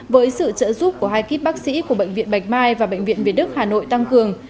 với sự trợ giúp của hai kíp bác sĩ của bệnh viện bạch mai và bệnh viện việt đức hà nội tăng cường